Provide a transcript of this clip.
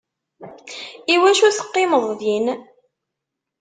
Iwacu teqqimeḍ din?